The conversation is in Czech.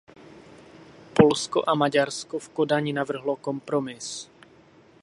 Polsko a Maďarsko v Kodani navrhlo kompromis.